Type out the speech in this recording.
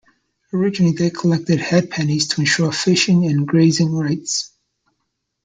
Originally they collected 'head pennies' to ensure fishing and grazing rights.